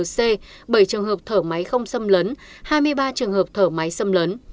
bảy trường hợp thở máy không xâm lấn hai mươi ba trường hợp thở máy xâm lấn